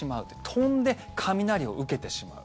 飛んで雷を受けてしまう。